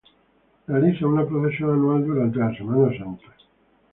Realiza una procesión anual durante la Semana Santa.